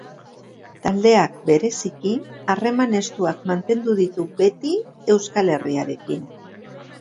Taldeak, bereziki, harreman estuak mantendu ditu beti Euskal Herriarekin